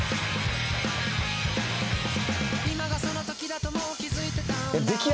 「今がその時だともう気付いてたんだ」